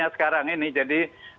sekarang ini jadi